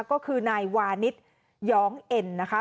ก็คือนายวานิสยองเอ็นนะคะ